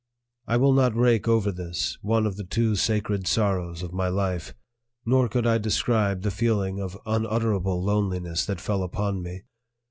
I will not rake over this, one of the two sacred sorrows of my life; nor could I describe the feeling of unutterable loneliness that fell upon me.